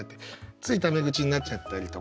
ついタメ口になっちゃったりとか。